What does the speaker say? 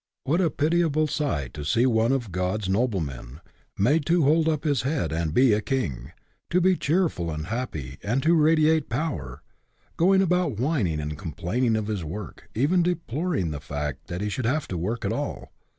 What a pitiable sight to see one of God's SPIRIT IN WHICH YOU WORK 79 noblemen, made to hold up his head and be a king, to be cheerful and happy and to radi ate power, going about whining and com plaining of his work, even deploring the fact that he should have to work at all